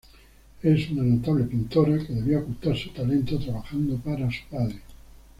Es una notable pintora, que debía ocultar su talento trabajando para su padre.